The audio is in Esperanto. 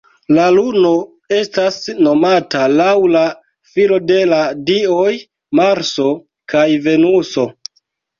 La luno estas nomata laŭ la filo de la dioj Marso kaj Venuso.